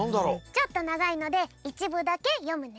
ちょっとながいのでいちぶだけよむね。